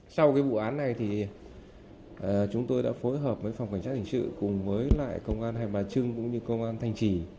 sau cái vụ án này thì chúng tôi đã phối hợp với phòng khám